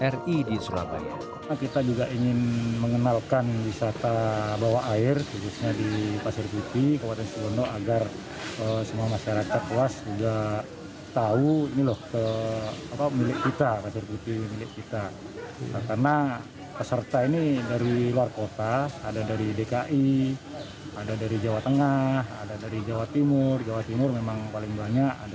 r i di surabaya